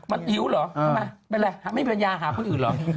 มันหิวเหรอเป็นอะไรไม่มีปัญญาหาคนอื่นเหรอ